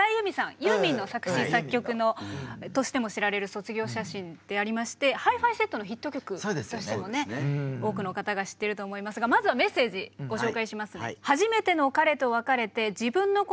ユーミンの作詞作曲としても知られる「卒業写真」でありましてハイ・ファイ・セットのヒット曲としてもね多くの方が知ってると思いますがまずはメッセージご紹介します。